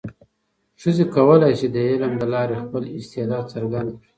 ښځې کولای شي د علم له لارې خپل استعداد څرګند کړي.